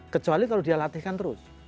kecuali kalau dia latihkan terus